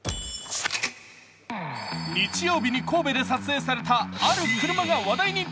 日曜日に神戸で撮影されたある車が話題に。